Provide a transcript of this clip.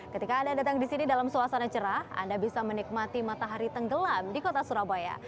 ketika anda datang di sini dalam suasana cerah anda bisa menikmati matahari tenggelam di kota surabaya